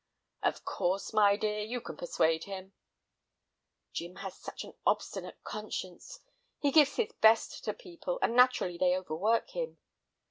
"Of course, my dear, you can persuade him." "Jim has such an obstinate conscience. He gives his best to people, and naturally they overwork him.